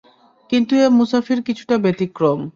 কিন্তু এ মুসাফির কিছুটা ব্যতিক্রম।